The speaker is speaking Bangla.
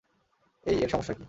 এই এর সমস্যা কী?